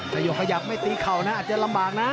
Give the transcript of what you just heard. โยกขยับไม่ตีเข่านะอาจจะลำบากนะ